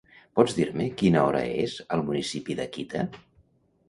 Pots dir-me quina hora és al municipi d'Akita?